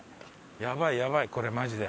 やばいやばいこれマジで。